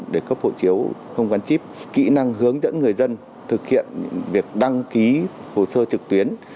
để cấp hộ chiếu không gắn chip kỹ năng hướng dẫn người dân thực hiện việc đăng ký hồ sơ trực tuyến